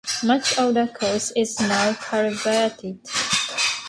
Much of the course is now culverted.